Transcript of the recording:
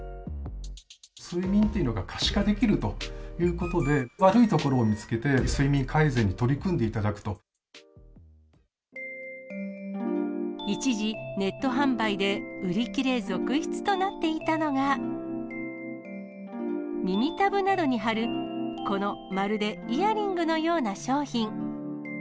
睡眠というのが可視化できるということで、悪いところを見つけて、睡眠改善に取り組んでいた一時、ネット販売で売り切れ続出となっていたのが、耳たぶなどに貼る、このまるでイヤリングのような商品。